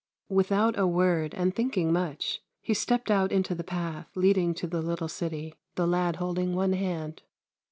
Without a word, and thinking much, he stepped out into the path leading to the little city, the lad holding one hand.